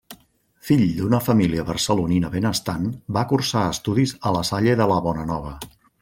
Fill d'una família barcelonina benestant va cursar estudis a La Salle de la Bonanova.